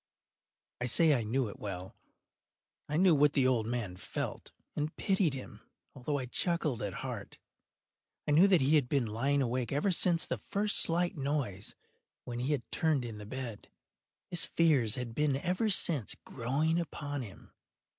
I say I knew it well. I knew what the old man felt, and pitied him, although I chuckled at heart. I knew that he had been lying awake ever since the first slight noise, when he had turned in the bed. His fears had been ever since growing upon him.